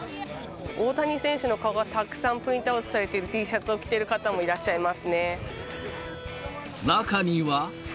大谷選手の顔がたくさんプリントアウトされているＴシャツを着て中には。